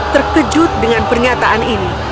terkejut dengan pernyataan ini